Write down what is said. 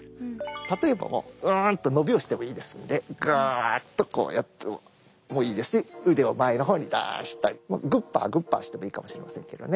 例えばもううんと伸びをしてもいいですのでぐっとこうやってもいいですし腕を前の方に出したりグーパーグーパーしてもいいかもしれませんけどね。